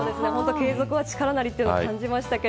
継続は力なりというのを本当に感じました。